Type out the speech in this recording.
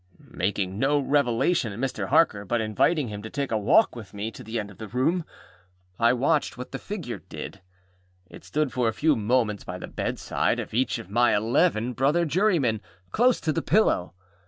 â Making no revelation to Mr. Harker, but inviting him to take a walk with me to the end of the room, I watched what the figure did. It stood for a few moments by the bedside of each of my eleven brother jurymen, close to the pillow.